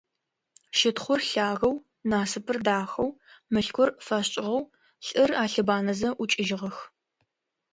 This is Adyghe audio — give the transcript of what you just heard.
Щытхъур лъагэу, Насыпыр дахэу, Мылъкур фэшӏыгъэу, лӏыр алъыбанэзэ, ӏукӏыжьыгъэх.